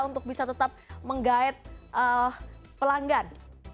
untuk bisa tetap menggait pelanggan